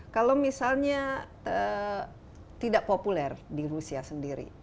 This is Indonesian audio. kalau misalnya tidak populer di rusia sendiri